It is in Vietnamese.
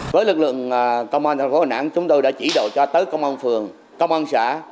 với lực lượng công an thành phố đà nẵng chúng tôi đã chỉ đạo cho tới công an phường công an xã